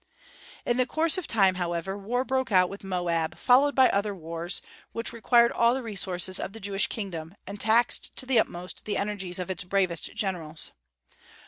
In the course of time, however, war broke out with Moab, followed by other wars, which required all the resources of the Jewish kingdom, and taxed to the utmost the energies of its bravest generals.